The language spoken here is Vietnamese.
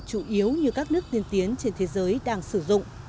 chủ yếu như các nước tiên tiến trên thế giới đang sử dụng